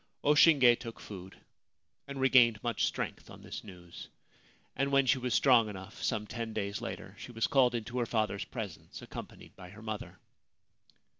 O Shinge took food and regained much strength on this news ; and when she was strong enough, some ten days later, she was called into her father's presence, accompanied by her mother.